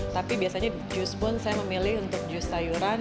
tapi biasanya jus pun saya memilih untuk jus sayuran